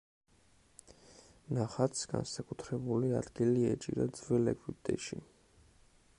ნახატს განსაკუთრებული ადგილი ეჭირა ძველ ეგვიპტეში.